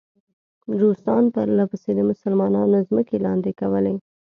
روسان پرله پسې د مسلمانانو ځمکې لاندې کولې.